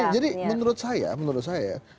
jadi menurut saya menurut saya